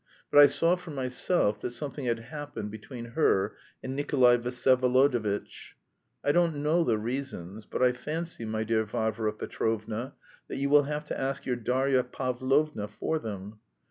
"But I saw for myself that something had happened between her and Nikolay Vsyevolodovitch. I don't know the reasons, but I fancy, my dear Varvara Petrovna, that you will have to ask your Darya Pavlovna for them.